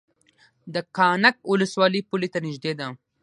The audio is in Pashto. د کانګ ولسوالۍ پولې ته نږدې ده